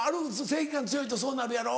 正義感強いとそうなるやろ。